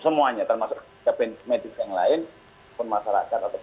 semuanya termasuk medis yang lain pun masyarakat atau